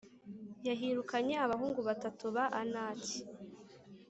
yahirukanye abahungu batatu ba Anaki.